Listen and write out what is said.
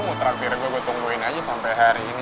mau terakhir gue gue tungguin aja sampe hari ini